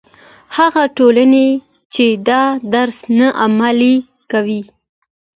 هغه ټولنې چې دا درس نه عملي کوي.